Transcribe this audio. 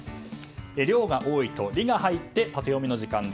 量が多いの「リ」が入ってタテヨミの時間。